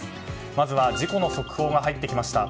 まずは事故の速報が入ってきました。